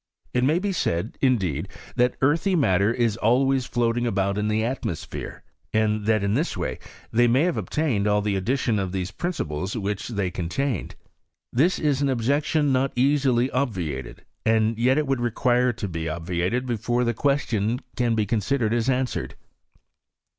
It may be said, in deed, that earthy matter is always floating about in the atmosphere, and that in this way they may have obtained all the addition of these principles which they contained. This is an objection not easily obviated, and yet it would require to be obviated before the question can be considered as answered.